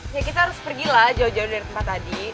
ya kita harus pergilah jauh jauh dari tempat tadi